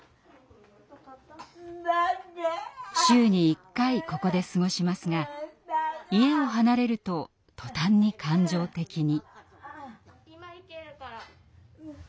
週に１回ここで過ごしますが家を離れるととたんに感情的に。